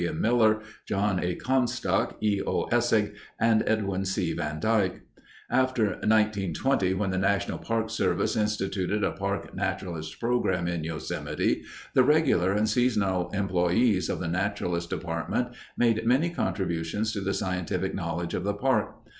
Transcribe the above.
M. Miller, John A. Comstock, E. O. Essig, and Edwin C. Van Dyke. After 1920, when the National Park Service instituted a park naturalist program in Yosemite, the regular and seasonal employees of the Naturalist Department made many contributions to the scientific knowledge of the park.